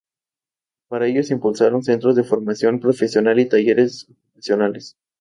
Para ello se impulsaron centros de formación profesional y talleres ocupacionales.